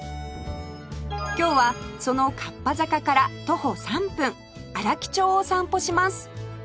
今日はその合羽坂から徒歩３分荒木町を散歩します